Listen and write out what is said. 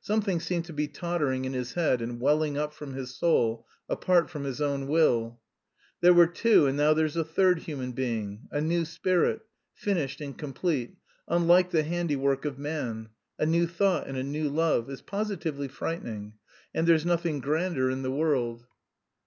Something seemed to be tottering in his head and welling up from his soul apart from his own will. "There were two and now there's a third human being, a new spirit, finished and complete, unlike the handiwork of man; a new thought and a new love... it's positively frightening.... And there's nothing grander in the world."